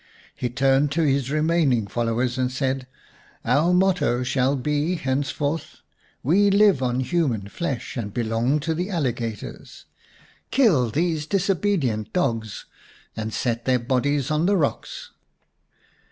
He turned to his remaining followers and said :" Our motto shall be henceforth, * We live on human flesh and belong to the alligators/ Kill these disobedient dogs, and set their bodies on the rocks."